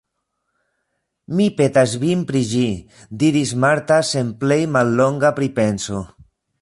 Mi petas vin pri ĝi, diris Marta sen plej mallonga pripenso.